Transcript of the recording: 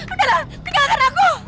udahlah tinggalkan aku